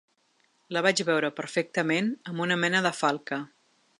La vaig veure perfectament, amb una mena de falca.